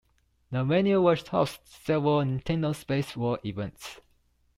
The venue was host to several Nintendo Space World events.